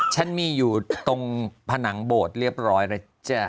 ฉันมีอยู่ตรงผนังโบสถ์เรียบร้อยแล้วจ้ะ